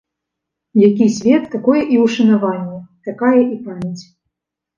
Які свет, такое і ўшанаванне, такая і памяць.